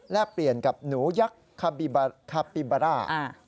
เปลี่ยนกับหนูยักษ์คาปิบาร่า